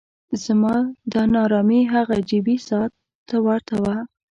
زما دا نا ارامي هغه جیبي ساعت ته ورته وه.